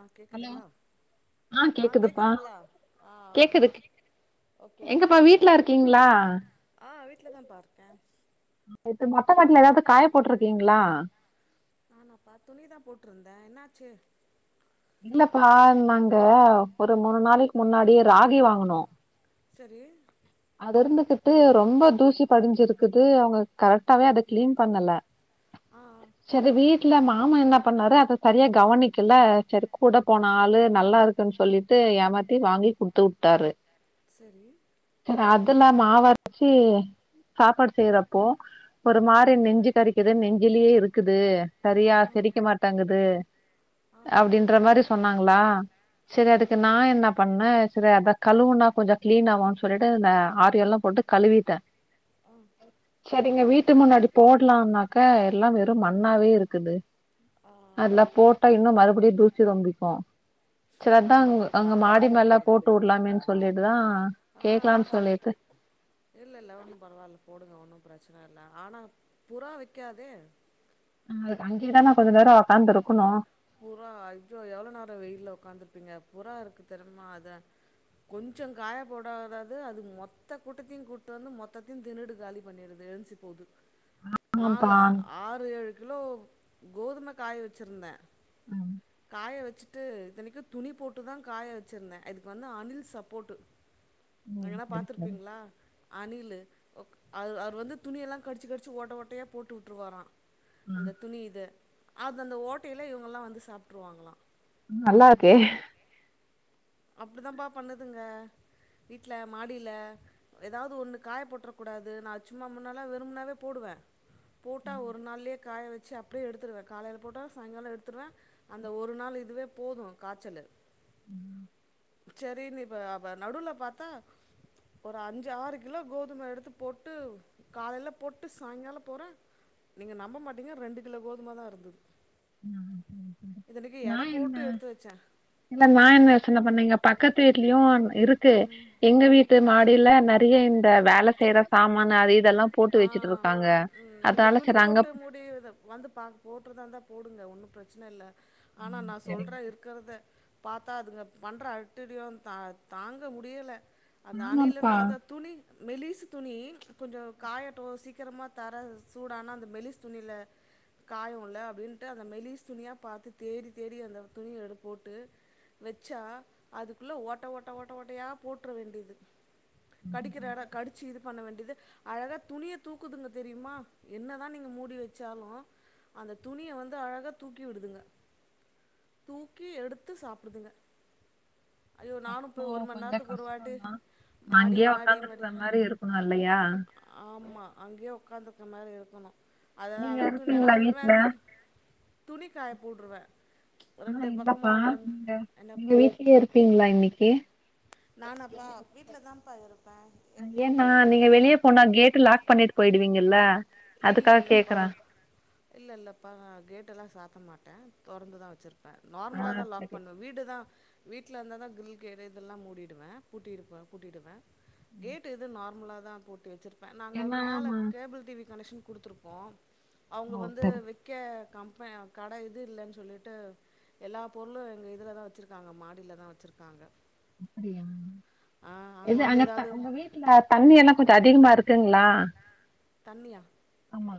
ஆ hello கேக்குதுங்களா ஆ கேக்குதுங்களா ஆ கேக்குது ஓகே ஓகே எங்கப்பா ஓகே வீட்ல இருக்கீங்களா ஆ வீட்லதா பா இருக்கே த்து மொட்ட மாட்ல எதாவுது காய போட்ருக்கீங்களா நானா பா துணிதா போட்ருந்தே என்னாச்சு இல்ல பா நாங்க ஒரு மூனு நாளெக்கி முன்னாடி ராகி வாங்கனோ சேரி அது இருந்துகிட்டு ரொம்ப தூசி படிஞ்சிருக்குது அவங்க கரெக்டாவே அத கிளீன் பண்ணல [inaudible] ஆ ஆ சேரி வீட்டுல மாமா என்ன பண்ணாரு அத சரியா கவனிக்கல சரி கூட போன ஆளு நல்லாருக் ன்னு சொல்லிட்டு ஏமாத்தி வாங்கி குடுத்து வுட்டாரு சேரி அதுல்லா மாவரைச்சு சாப்பாடு செய்யறப்போ ஒரு மாரி நெஞ்சு கறிக்குது நெஞ்சிலயேருக்குது சரியா செரிக்க மாட்டேங்குது ஆ அப்டின்ற மாரி சொன்னாங்களா ஆ சரி அதுக்கு நா என்ன பண்ணே சரி அத கழுவுனா கொஞ்சோ கிளீன் ஆவு சொல்லிட்டு இந்த ஆரியல்லா போட்டு கழுவிட்டே ஆ சேரிங்க வீட்டு முன்னாடி போடலாம்னாக்க எல்லா வெறு மண்ணாவேருக்குது ஆ அதுல போட்டா இன்னு மறுபடியு தூசி வந்துக்கோ செரி அதா ஆஹோ அ அங்க காய மாடி வைக்கிறது மேல போட்டு கேக்குறீங்களா விடலாமேன்னு சொல்லிட்டுதா ஆ கேக்கலான்னு சேரி சொல்லிட்டு இல்லல்ல ஒன்னு பரவாயில்ல போடுங்க ஒன்னு பிரச்சனல்ல ஆனா புறா வைகாதே அ அங்க தா நா கொஞ்சோ நேரோ உட்காந்துருக்கணு புறா ஐயோ எவ்ளோ நேரோ வெயில்ல உட்காந்துருப்பீங்க புறா இருக்கு தெர்மா அத கொஞ்சோ காய போடாவது அது மொத்த கூட்டத்தையு கூட்டிட்டு வந்து மொத்தையு திண்ணுடு காலி பண்ணிடுது எழுசி போது நாலு, ஆமாப்பா ஆறு, ஏழு கிலோ கோதும காய வச்சுருந்தே ம் காய வச்சு ட்டு இத்தினிக்கு துணி போட்டுதா காய வச்சிருந்தே இதுக்கு வந்து அணில் சப்போர்ட்டு ம் எங்கனா சரி சரி பாத்துருப்பீங்களா அணிலு அது அவர் வந்து துணியெல்லா கடிச்சு கடிச்சு ஓட்ட ஓட்டயா போட்டு விட்டுருவாரா ம் அந்த துணி இத அது அந்த ஓட்டையிலா இவங்கல்லா வந்து சாப்ட்டுருவாங்களா ம் நல்லா இருக்கே அப்டிதா பா பண்ணுதுங்க வீட்டுல மாடில ஏதாது ஒண்ணு காய போட்டுற கூடாது நா சும்மா முன்னாலா வெரும்பனாவே போடுவே போட்டால ஒரு நாள்யே காய வச்சு அப் டியே எடுத்துடுவே காலையில போட்டால சாயங்காலோ எடுத்துடுவே அந்த ஒரு நாள் இதுவே போது காச்சலு ம் சேரின்னு இப்ப அப்ப நடுவுல பாத்தா ஒரு அஞ்சு ஆறு கிலோ கோதும எடுத்து போட்டு காலைல போட்டு சாயங்காலோ போறே நீங்க நம்ப மாட்டீங்க ரெண்டு கிலோ கோதும தா இருந்துது நா என்ன எடுத்து வச்சே இல்ல நா என்ன யோசன பண்ணீங்க பக்கத்து வீட்லயு இருக்கு எங்க ஆ வீட்டு மாடியில நெறைய இந்த வேல செய்யற சாமான அது இதெல்லா போட்டு ஆ வச்சுட்டு இருக்காங்க ம் நீங்க அதனால துணி சேரி அங்க போட்டு முடி வந்து பா போட்டுற தான்ந்தா போட்டுங்க ஒன்னு பிரச்சன இல்ல ஆனா ம் நா சரிங்க சொல்றே இருக் க்கத பாத்தா அதுங்க பண்ற அட்டுலுயியோ தாங்க முடியல அந்த ஆமாப்பா அணிலன்னா அதா துணி மெலிசு துணி கொஞ்சோ காயட்டு சீக்கிரமா தர சூடானா அந்த மெலிஸ் துணில காயு இல்ல அப்டின்ட்டு அந்த மெலிஸ் துணியா பாத்து தேடி தேடி அந்த துணிய எடு போட்டு வச்சா அதுக்குள்ள ஓட்ட ஓட்ட ஓட்ட ஓட்டையா போட்டுற வேண்டியது கடிக்கிற எடோ கடிச்சு இது பண்ண வேண்டியது அழகா துணிய தூக்குதுங்க தெரியுமா என்னதா நீங்க மூடி வச்சாலு அந்த துணியை வந்து அழகா தூக்கி விடுதுங்க தூக்கி எடுத்து சாப்பிடுதுங்க ஐயோ நானு அப்போ போய் ஒரு மணி கொஞ்ச நேரத்துக்கு ஒரு வாட்டி கஷ்டந்தா மாடி அங்கேயே மாடி உக்காந்துருக்கற மாரி இருக்கணு இல்லையா ஆமா அங்கேயே உக்காந்துக்க மாரி இருக்கணு அததா நீங்க அந்த துணி என்ன இருப்பீங்களா பண்ருவே வீட்ல துணிக்காய போட்றுவே நீங்க என்னப்பா நீங்க வீட்லயே இருப்பீங்களா இன்னைக்கி நானாப்பா வீட்டில் தான்ப்பா இருப்பேன் ஏன்ப்பா ஏன்னா நீங்க வெளிய போனா கேட் லாக் பண்ணிட்டு போயிடுவீங்கல்ல அதுக்காக கேக்கறே இல்லேல்லப்பா கேட்டல்லா சாத்த மாட்டே தொறந்துதா வச்சிருப் ப ஆ நார்மலா தா லாக் சரி பண்வே வீடுதா வீட்லருந்தா தா கிரில் கேட்டு இதெல்லா மூடிடுவே பூட்டிடுருப்பே பூட்டிடுவே கேட் இது நார்மலா தா பூட்டி வச்சிருப் ப நாங்க வந்து ஏன்னா மேல ஆமா கேபிள் டிவி கனெக்க்ஷன் குடுத்துருக்கோ அவுங்க ஓ வந்து சரி வெக் கே கம்ப கட இது இல்லேன் சொல்லிட்டு எல்லா பொருளு எங்க இதுல தா வச்சுருக்காங்க மாடியில தா வச்சுருக்காங்க அப்பிடியா ஆ இது வந்து அங்க எதாவது உங்க வீட்ல தண்ணியெல்லா கொஞ்சோ அதிகமா இருக்குங்களா தண்ணியா ஆமா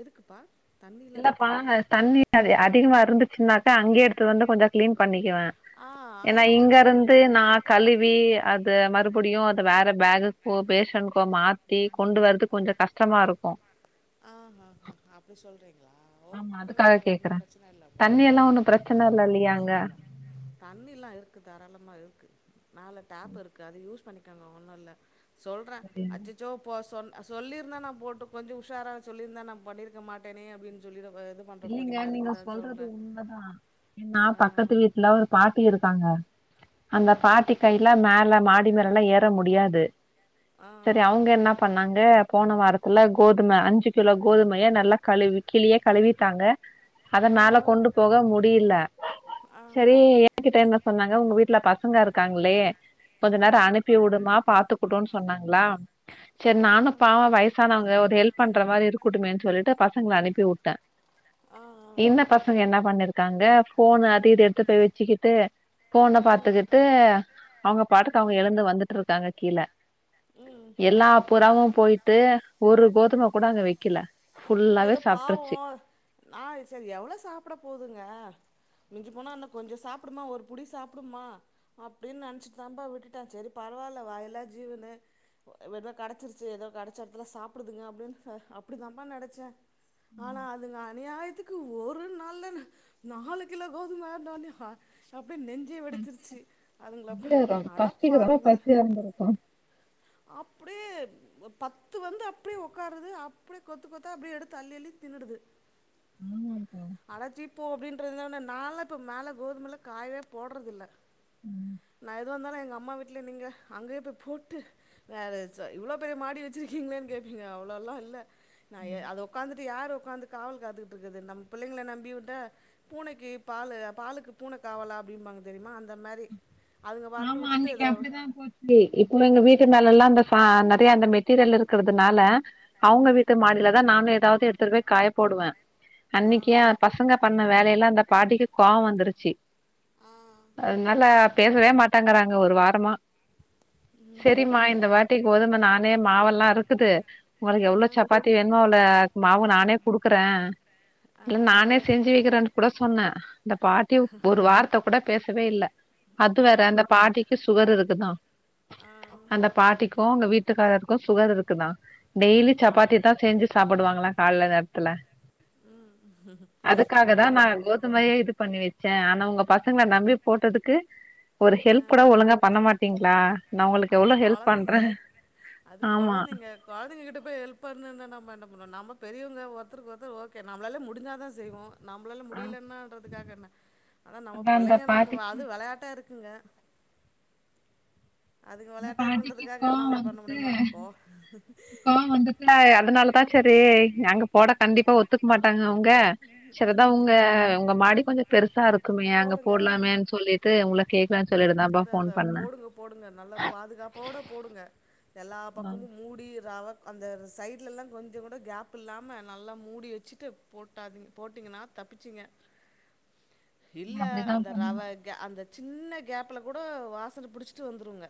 எதுக்குப்பா தண்ணிலா இல்லப்ப கேக்குறீங்க அ தண்ணி அதிகமா இருந்துச்சுனாக்கா அங்கே எடுத்து வந்து கொஞ்சோ கிளீன் பண்ணிக்குவே ஆ ஏன்னா இருக்கு இருக்கு இங்கருந்து நா கழுவி அது மறுபடியு அது வேற பேகுக்கோ பேஷன்கோ மாத் தி கொண்டு வரதுக்கு கொஞ்சோ கஷ்டமாருக்கு ஆ ஹா ஹா அப்பிடி சொல்றீங்களா ஆமா ஓகே அதுக்காக ஓகே ஒன்னு கேக்குறே பிரச்சனை இல்லப்பா தண்ணி எல்லா ஒன்னு பிரச்சன அதனா இல்ல ஒன்னு இல்லையா அங்க பிரச்சன இல்ல தண்ணில்லா இருக்கு தாராளமா இருக்கு நாலூ டேப் இருக்கு அது யூஸ் பண்ணிக்கோங்க ஒன்னுல்ல சொல்றே சரியா அச்சச்சோ போ சொ சொல்லியிருந்தா நா போட்டு கொஞ்சோ உஷாரா சொல்லியிருந்தா நா பண்ணிருக்க மாட்டேனே அப்டின்னு சொல்லிட [unintelligible] இல்லைங்க நீங்க அதுக்கு தா சொல்றது சொல்றே உண்மதா ஏன்னா ஆ பக்கத்து வீட்ல ஒரு பாட்டி இருக்காங்க அந்த ம் பாட்டி கையில்ல மேல மாடி மேலல்லா ஏற முடியாது ஆ சேரி அவுங்க என்ன பண்ணாங்க போன வாரத்துல கோதும அஞ்சு கிலோ கோதுமையே நல்லா கழுவி கிழயே கழுவி ண்ணாங்க அத ஆ மேல கொண்டு போக முடியல ஆ செரி எங்கிட்ட என்ன சொன்னாங்க உங்க வீட்ல பசங்க இருக்காங்களே கொஞ்ச ஆ ஆ நேரோ அனுப்பி உடுமா பாத்துக்குட்டுன்னு சொன்னாங்ளா ஆ செரி நானு பாவோ வயசானவங்க ஒரு ஹெல்ப் பண்ற மாரி இருக்கட்டுமேன்னு சொல்லிட்டு பசங்கள அனுப்பி விட்டே ஆ ஆ இந்த பசங்க என்ன பண்ணிருக்காங்க ஃபோன் அது இது எடுத்து போய் வச்சுக்கிட்டு ஃபோன்ன பாத்துக்கிட்டு அவுங்க பாட்டுக்கு அவுங்க எழுந்து வந்துட்டு இருக்காங்க கீழ ம் எல்லா புறாவு போயிட்டு ஒரு கோதும கூட அங்க வைக்கல ஃபுல்லாவே ஏதோ பாவோ சாப்ட்ருச்சு நா செரி எவ்ளோ சாப்பிட போதுங்க மிஞ்சி போனா என்ன கொஞ்சோ சாப்புடுமா ஒரு புடி சாப்புடுமா அப்டின்னு நனைச்சிட்டு தான்பா விட்டுட்டே சேரி பரவாயில்ல வாயா இல்லா ஜீவனு போ ஏதோ கெடச்சிருச்சி ஏதோ கெடச்ச எடத்துல சாப்டுதுங்க அப்டின்னு அப்டி தான்ப்பா நெனச் ச ஆனா அதுங்க அநியாயத்துக் கு ஒரு நாள்ல நாலு கிலோ கோதும இருந்தோடனே ஹா அப்டியே நெஞ் சே வெடிச்சிருச்சி அதுங்கள பா அது ரொம் பசிக்கு ரொம்ப அடப்பாவீளா பசியா இருந்திருக்கு அப்டிப் ஒப் பத்து வந்து அப்டி உக்காருது அப்டியே கொத்து கொத் தா அப்டி எடுத்து அள்ளிஅள்ளி தின்னுடுது ஆமாம்ப்பா அடச்சிப்போ அப்டின்றது நாள இப்ப மேல கோதுமல்லா காயவே போடுறது இல்ல ம் நா எதுவா இருந்தாலு எங்க அம்மா வீட்ல நீங்க அங்கேயே போய் போட்டு வேறு ச இவ்ளோ பெரிய மாடி வச்சிருக்கிங்களேன்னு கேப்பீங்க அவ்ளோலா இல்ல நா ஏ அது உக்காந்துட்டு யாரு உக்காந்து காவல் காத்துகிட்டு இருக்குறது நம்ம பிள்ளங்கள நம்பி உட்ட பூனைக்கு பால் பாலுக்கு பூனை காவலா அப்டிம்பாங்க தெரியுமா அந்த மாரி அதுங்க பாட்டுனு விட்டுட்டு இதோவ் இ இப்போம எங்க வீட்டு மேல எல்லாம் அந்த ச நறைய அந்த மெட்டீரியல் இருக்கிறதுனால அவுங்க வீட்டு மாடியிலதா நானு ஏதாவது எடுத்துட்டு போய் காய போடுவ ஆ அன்னைக்கே பசங்க பண்ண வேலையெல்லா அந்த பாட்டிக்கு கோவோ வந்துருச்சி ஆ அதனால பேசவே மாட்டேங்கிறாங்க ஒரு வாரமா செரிமா இந்த வாட்டிக்கு கோதும நானே மாவெல்லா இருக்குது உனக்கு எவ்வளோ சப்பாத்தி வேணுமோ அவ்ளோ மாவு நானே குடுக்குற ஆ இல்ல நானே செஞ்சி வைக்கிறான்னு கூட சொன்ன இந்த பாட்டி ஒரு வார்த்த கூட பேசவே இல்லை அது வேற அந்த பாட்டிக்கு சுகர் இருக்குதா ஆ ப் பாட்டிக்குஉங்க வீட்டுக்காரருக்கு சுகர் இருக்கு தாடெய்லி அச்சச்சோ சப்பாத்தி தா செஞ்சி சாப்டுவாங்ளா கால்ல நேரத்துல ம் அதுக்காக தா வேற நா பாருங்க கோதுமையே இதுக் பண்ணி வச்சே ஆனா உங்க பசங்கள நம்பி போட்டதுக்கு ஒரு ஹெல்ப் கூட பண்ண மாட்டீங்ளா நா உங்களுக்கு அது எவ்ளோ ஹெல்ப் பண்ற கொழந்தைங்க ஆமா பிராடுக்கிட்ட போய் ஹெல்பண்ணுனா நம்ம என்ன பண்ணோ நம்மோ பெரியவங்க ஒருத்தருக்கு ஒருத்தர் ஓகே நம்மளாலே முடிஞ்சா தா செய்வோ நம்மளால முடியலனான்றதுக்காக என்ன ஆனா நம்மோ அதா அந்த பிள்ளைங்க நம்மோ பாட்டிக்கு அது விளையாட்டா இருக்குங்க அதுங்க அந்த வெளையாட்டா பாட்டிக்கு இருக்குன்றதுக்காக நம்மள பண்ண கோவந்ட்டு முடியுமா கோ கோவோ வந்தத் இல்ல அதனாலதா செரி அங்க போட கண்டிப்பா ஒத்துக்க மாட்டாங்க அவங்க செரி அதா ம் அவ்ங்க உங்க மாடி கொஞ்ச பெருசா இருக்குமே அங்க போடுங்க போடலாமேன்னு சொல்லிட்டு உங்கள கேக்கலான்னு சொல்லிருந்த அப்பாம் அதா போன் அதா பண்ண போடுங்க போடுங்க நல்லா பாதுகாப்போட போடுங்க எல்லா பக்கமும் மூடி ஏதாவது அந்த சைடுலலா கொஞ்ச கூட கேப் இல்லாம நல்லா மூடி வச்சிட்டு போட்டாதீங் போட்டிங்னா தப்பிச்சிங்க இல்ல அப்டிதா அந்த ரவ பண்ணோ க அந்த சின்ன கேப்ல கூட வாசனை புடிச்சிட்டு வந்துருங்க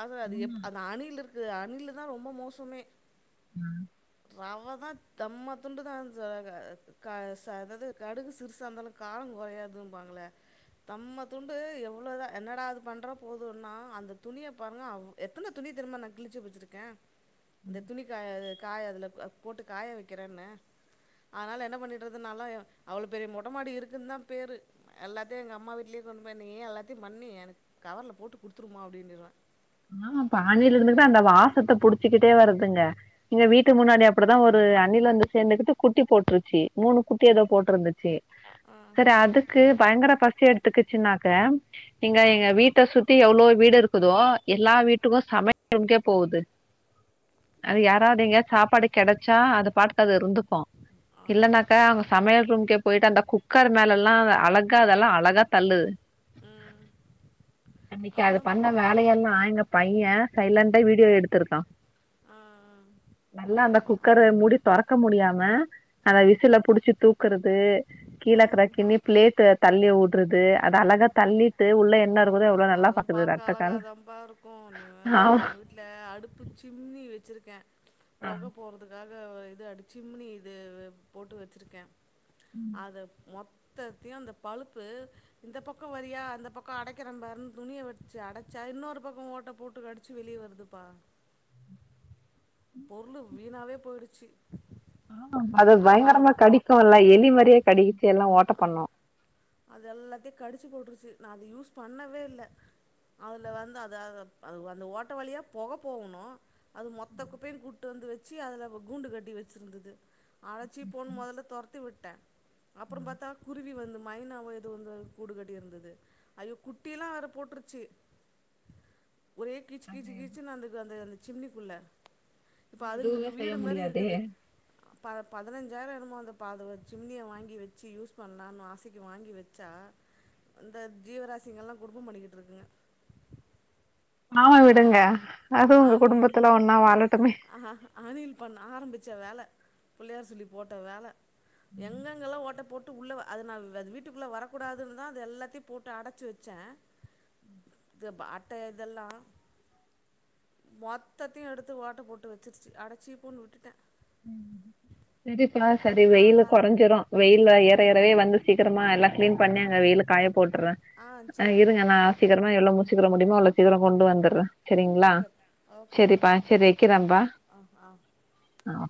அது அது எப் ஆமா அது அணில் இருக்கு அணிலு தா ரொம்ப மோசமே ம் ரவ தா தம்மாதுண்டு தா சகத் க ச அதாவது கடுகு சிறுசா இருந்தாலு கார குறையாதுபாங்கள தம்மா துண்டு எவ்ளோ தா என்னடா அது பண்ணுற போதுன்னா அந்த துணிய பாருங்க அவ் எத்தன துணி தெரியுமா நா கிழிச்சி வச்சிருக்கே இந்த துணி காயயத் காய அதுல போ போட்டு காய வைக்கிறேன்ன அதுனால என்ன பண்ணிட்டுறதுனால அவ்ளோ பெரிய மொட்ட மாடி இருக்குன்தா பேரு எல்லாத்தையு எங்க அம்மா வீட்லயே கொண்டு போய் நீயே எல்லாத்தையு பண்ணி எனக்கு கவர்ல போட்டு கொடுத்துருமா அப்டின்னுருவ ஆமா காலையில இருந்துதா அந்த வாசத்த புடிச்சிக்கிட்டே வருதுங்க எங்க வீட்டு முன்னாடி அப்படிதா ஒரு அணில் வந்து சேர்ந்துகிட்டு குட்டி போட்டுருச்சு மூனு குட்டி எதோ போட்டிருந்துச்சு ஆ சரி அதுக் கு பயங்கர பசி எடுத்துக்குச்சின்னாக்க நீங்க ஆ எங்க வீட்ட சுத்தி எவ்ளோ வீடு இருக்குதோ எல்லா வீட்டுக்கு சமைரூம்க்கே போகுது அது யாராவது எங்கயா சாப்பாடு கெடச்சா அது பாட்டுக்கு அது இருந்துக்கு ஆ இல்லனாக்கா அவ சமையல் ரூம்கே போயிட்டு அந்த குக்கர் மேல எல்லா அது அழகா அதெல்லா அழகா தள்ளுது ம் இன்னைக்கு அது பண்ண அப்படிதான்ப்பா வேலையெல்லா நா எங்க பைய சைலன்டா வீடியோ எடுத்திருக்கா ஆ ஆ நல்லா அந்த குக்கரு மூடி தொறக்க முடியாம அந்த விசில புடிச்சு தூக்குறது ஆ கீழ கிராக்கிண்ணி பிளேட்டு தள்ளி உற்றது அது அழக தள்ளிட்டு உள்ள அ என்ன இருக்குதோ எவ்ளோ நல்லா அதெல்லா பாக்குது பாக்க ரெட்ட கால்ல அழகாதாம்பா இருக் கு நீ வேற நா எ ஆமா வீட்டுல அடுப்பு சிம்மி வச்சிருக்கே பொக போறதுக் காக இது அடிச்சுமினி இது போட்டு வச்சிருக்கே அத மொத் ததையு அந்த பழுப்பு இந்த பக்க வரியா அந்த பக் கோ அடைக்கிறம்பாருன் துணிய வெச்சு அடச்சா இன்னொரு பக்க ஓட்ட போட்டு கடிச்சு வெளியே வருதுப்பா பொருளு வீணாவே போயிடுச்சு ஆ அது அப்ப பயங்கரமா அது கடிக்கு இல்ல எலி மாரியே கடிச்சு எல்லா ஓட்ட பண்ணு அது எல்லாத்தையு கடிச்சு போட்டுருச்சு நா அத யூஸ் பண்ணவே இல்ல அதுல வந்து அந்த அது அந்த ஓட்ட வழியா பொக போகுனு அது மொத்த குப்பயு கூட்டு வந்து வச்சு அதுல கூண்டு கட்டி வச்சிருந்தது அட ச்சி போனு மொதல்ல தொரத்தி விட்ட அப்றம் பாத்தா குருவி வந்து மைனவோ எதோ வந்து கூடுகட்டி இருந்தது ஐயோ குட்டி எல்லா வேற போட்டுருச்சு ஒரே கிச் அது கிச் கிச்னு அந்த அந்த அந்த சிம்னிக்குள்ள இப்ப எதுவுமே அதுங்களுக்கு செய்ய வீடு மாதிரி முடியாதே இருக்குது ப பதனஞ்சாயிர எனமோ அந்த பாத ஜிம்னிய வாங்கி வெச்சு யூஸ் பண்ணலான் ஆசை கு வாங்கி வெச்சா இந்த ஜீவராசிங்க எல்லா குடும்பம் பண்ணிக்கிட்ருக்குங்க மாமா விடுங்க அதுவு உங்க குடும்பத்துல ஒன்னா வாழட்டுமே அணில் பண்ண ஆரம்பிச்ச வேல புள்ளையார் சுழி போட்ட வேல எங்கெங்கெல்லா ஓட்ட போட் உள்ள அது நா வீட்டுக்குள்ள வரக்கூடாதுன் தா எல்லாத்தையு போட்டு அடச்சு வச்ச இது அட்ட இதெல்லா மொத்ததையு எடுத்து ஓட்ட போட்டு வச்சிருச்சி அட ச்சி போன் விட்டுட்ட சரிப்பா சரி ஆ வெயில்லு பாருங்க கொறஞ்சுரு வெயில்ல ஆ ஏற எறவே வந்து சீக்கிரமா எல்லா கிளீன் பண்ணி ஆ அங்க வெயில காய போட்டுருவ ஆ அ சரி இருங்க நா ஆ போட்டுக்கோங்கப்பா சீக்கிறமா எவளோ ச்சீக்கிர முடியுமா அவ்ளே சீக்கிரோ கொண்டு வந்தற்றே ஓகேப் ஓகேப்பா ஓகே வைக்கிறேன்ப்பா ஆ் ஆ ஆ